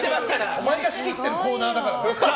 お前が仕切ってるコーナーだからな。